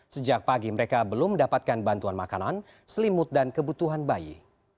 sejak pagi mereka belum mendapatkan bantuan makanan selimut dan kebutuhan bayi